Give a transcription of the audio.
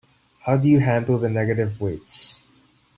How do you handle the negative weights?